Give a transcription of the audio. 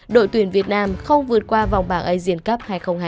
đội tuyển việt nam không vượt qua vòng bảng asian cup hai nghìn hai mươi